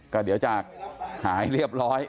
ก็เดี๋ยวจะหายเรียบร้อย